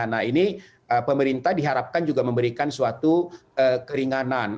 nah ini pemerintah diharapkan juga memberikan suatu keringanan